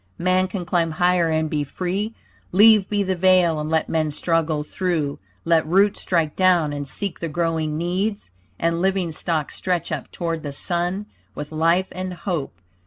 Man can climb higher and be free. Leave be the veil and let men struggle through. Let roots strike down and seek the growing needs; And living stock stretch up toward the sun With life and hope.